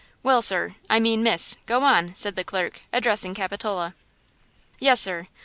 "Well, sir–I mean, miss–go on!" said the clerk, addressing Capitola. "Yes, sir.